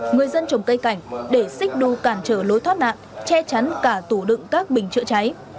người dân trồng cây cảnh để xích đu cản trở lối thoát nạn che chắn cả tủ đựng các bình chữa cháy